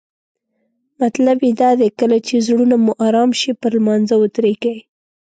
مطلب یې دا دی کله چې زړونه مو آرام شي پر لمانځه ودریږئ.